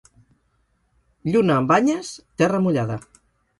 Lluna amb banyes, terra mullada.